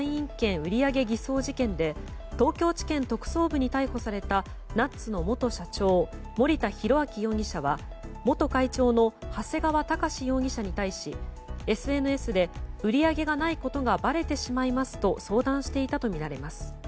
売り上げ偽装事件で東京地検特捜部に逮捕されたＮｕｔｓの元社長森田浩章容疑者は元会長の長谷川隆志容疑者に対しＳＮＳで売り上げがないことがばれてしまいますと相談していたとみられます。